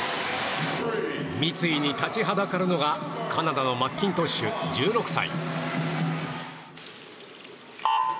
三井に立ちはだかるのがカナダのマッキントッシュ、１６歳。